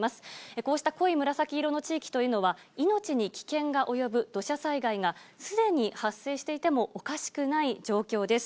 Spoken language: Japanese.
こうした濃い紫色の地域というのは、命に危険が及ぶ土砂災害がすでに発生していてもおかしくない状況です。